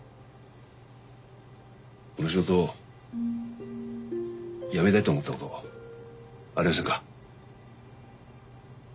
この仕事やめたいと思ったことありませんか？